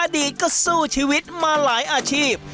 อดีตก็สู้ชีวิตมาหลายอาชีพ